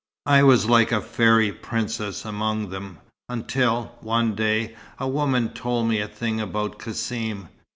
I was like a fairy princess among them, until one day a woman told me a thing about Cassim.